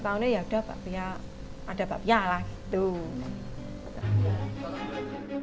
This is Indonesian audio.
lima tahun ini ya udah ada bakpia lagi